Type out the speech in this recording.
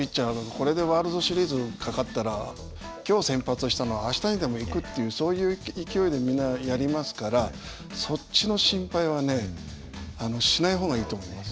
これでワールドシリーズ懸かったら今日先発したのを明日にでも行くっていうそういう勢いでみんなやりますからそっちの心配はねしない方がいいと思います。